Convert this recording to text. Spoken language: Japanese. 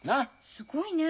すごいねえ。